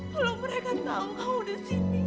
kalau mereka tahu kau di sini